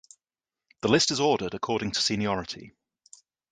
The list is ordered according to seniority.